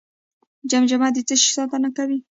جمجمه د څه شي ساتنه کوي؟